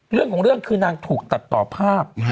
เรื่องของเรื่องคือนางถูกตัดต่อภาพ